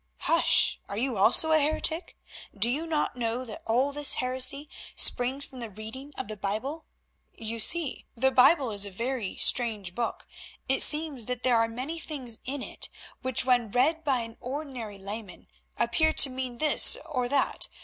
"Hush! Are you also a heretic? Do you not know that all this heresy springs from the reading of the Bible? You see, the Bible is a very strange book. It seems that there are many things in it which, when read by an ordinary layman, appear to mean this or that.